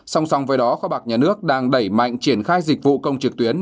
song song với đó kho bạc nhà nước đang đẩy mạnh triển khai dịch vụ công trực tuyến